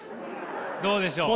どうでしょう？